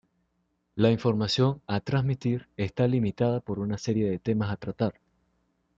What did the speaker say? La información a transmitir está limita por una serie de temas a tratar.